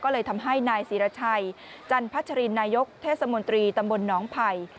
ก็เลยทำให้นายศิรชัยจันพัชรินนายกเทศมนตรีตำบลหนองไผ่